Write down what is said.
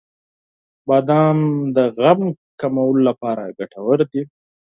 • بادام د غم کمولو لپاره ګټور دی.